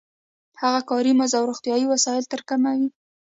هغه کاري مزد او روغتیايي وسایل ترې کموي